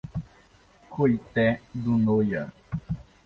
Coité do Noia